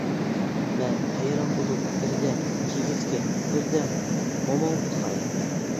مەن ھەيران بولۇپ بىردەم كىگىزگە، بىردەم مومامغا قارايتتىم.